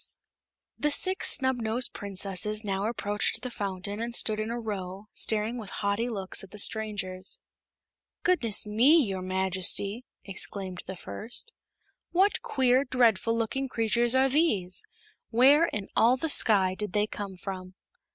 The Six Snubnosed Princesses now approached the fountain and stood in a row, staring with haughty looks at the strangers. "Goodness me, your Majesty!" exclaimed the first; "what queer, dreadful looking creatures are these? Where in all the Sky did they come from?"